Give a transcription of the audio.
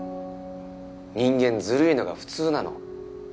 人間ずるいのがフツーなの。